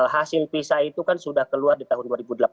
hasil visa itu kan sudah keluar di tahun dua ribu delapan belas